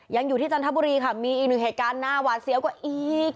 ยังอยู่ที่จันทบุรีค่ะมีอีกหนึ่งเหตุการณ์น่าหวาดเสียวกว่าอีก